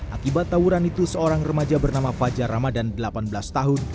akibat tawuran itu seorang remaja bernama fajar ramadan delapan belas tahun